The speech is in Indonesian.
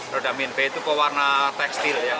rodamin b itu pewarna tekstil ya